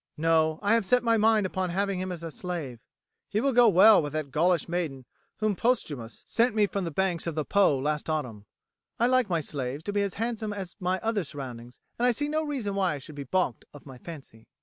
No, I have set my mind upon having him as a slave. He will go well with that Gaulish maiden whom Postumius sent me from the banks of the Po last autumn. I like my slaves to be as handsome as my other surroundings, and I see no reason why I should be baulked of my fancy."